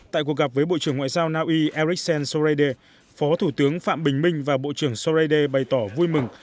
tại cuộc gặp với bộ trưởng ngoại giao naui ericssen sorede phó thủ tướng phạm bình minh và bộ trưởng sorede bày tỏ vui mừng